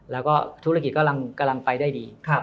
แล้วก็ธุรกิจกำลังไปได้ดี